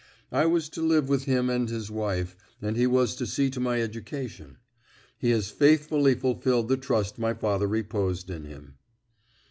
I was to live with him and his wife, and he was to see to my education. He has faithfully fulfilled the trust my father reposed in him."